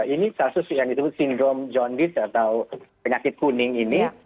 ini kasus yang disebut sindrom john ditch atau penyakit kuning ini